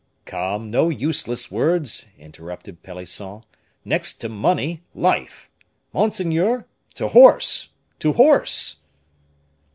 "Come, no useless words," interrupted Pelisson. "Next to money, life. Monseigneur, to horse! to horse!"